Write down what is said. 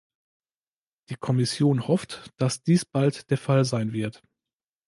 Die Kommission hofft, dass dies bald der Fall sein wird.